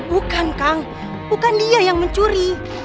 bukan kang bukan dia yang mencuri